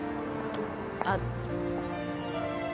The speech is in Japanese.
あっ。